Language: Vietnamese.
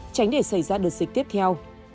tránh để xảy ra đợt dịch tiếp theo